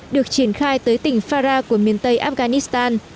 được triển khai tới tỉnh fara của miền tây afghanistan